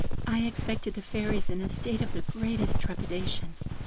"I expected the Fairies in a state of the greatest trepidation.